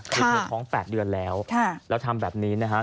คือเธอท้อง๘เดือนแล้วแล้วทำแบบนี้นะฮะ